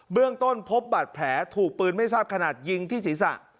เรื่องต้นพบบาดแผลถูกปืนไม่ทราบขนาดยิงที่ศีรษะ